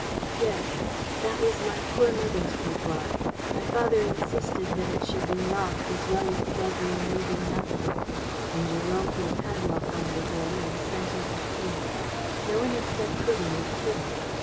"Yes. That was my poor mother's boudoir. My father insisted that it should be locked, as well as the bedroom leading out of it; and Jérôme put a padlock on the door and sent him the key. No one has set foot in it since.